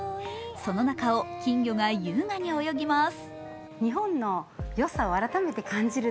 その中を金魚が優雅に泳ぎます。